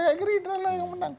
ya gerindra lah yang menang